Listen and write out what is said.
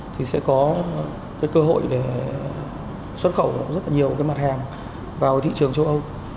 thì sẽ có cơ hội để xuất khẩu rất nhiều mặt hàng vào thị trường châu âu